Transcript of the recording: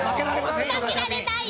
負けられないよ。